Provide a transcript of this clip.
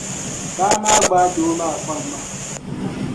Baa maa gbaai doo maa kpaŋ maa.